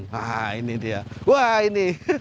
wah ini dia wah ini